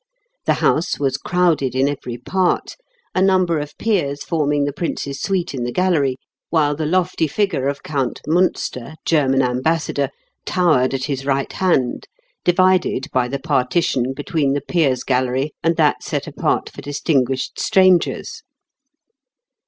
The House was crowded in every part, a number of Peers forming the Prince's suite in the gallery, while the lofty figure of Count Munster, German Ambassador, towered at his right hand, divided by the partition between the Peers' Gallery and that set apart for distinguished strangers.